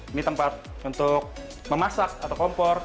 ini tempat untuk memasak atau kompor